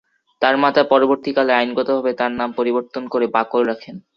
তার মাতা পরবর্তীকালে আইনগতভাবে তার নাম পরিবর্তন করে বাকল রাখেন।